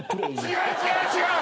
違う違う違う！